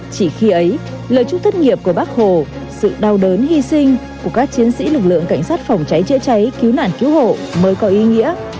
chỉ khi ấy lời chúc thất nghiệp của bác hồ sự đau đớn hy sinh của các chiến sĩ lực lượng cảnh sát phòng cháy chữa cháy cứu nạn cứu hộ mới có ý nghĩa